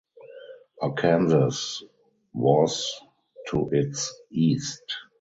Arkansas was to its east.